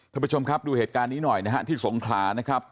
ท่านผู้ชมครับดูเหตุการณ์นี้หน่อยนะฮะที่สงขลานะครับ